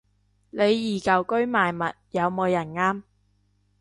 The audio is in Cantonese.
李怡舊居賣物，有冇人啱